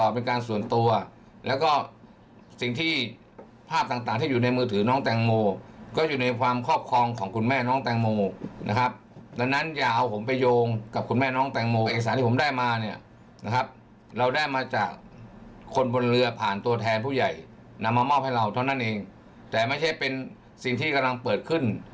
ผ่านตัวแทนผู้ใหญ่นำมามอบให้เราเท่านั้นเองแต่ไม่ใช่เป็นสิ่งที่กำลังเปิดขึ้น